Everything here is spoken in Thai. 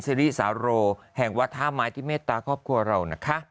สิริสาโรแห่งวัดท่าไม้ที่เมตตาครอบครัวเรานะคะ